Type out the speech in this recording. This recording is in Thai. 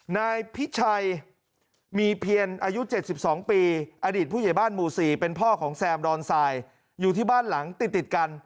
นายพิชัยมีเพียรอายุ๗๒ปีอดีตผู้ใหญ่บ้านหมู่๔เป็นพ่อของแซมดอนทรายอยู่ที่บ้านหลังติดกัน